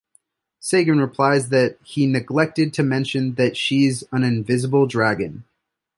Sagan replies that he "neglected to mention that she's an invisible dragon".